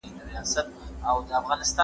هېڅ باد او باران هغه ونړولو.